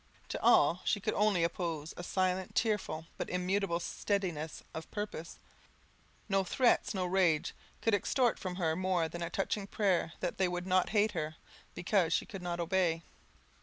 To all she could only oppose a silent, tearful, but immutable steadiness of purpose: no threats, no rage could extort from her more than a touching prayer that they would not hate her, because she could not obey.